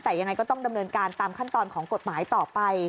แต่ยังไงก็ต้องดำเนินการตามขั้นตอนของกฎหมายต่อไป